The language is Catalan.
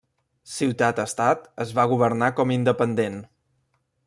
Ciutat-estat es va governar com independent.